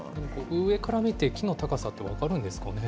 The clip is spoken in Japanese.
上から見て木の高さって分かるんですかね。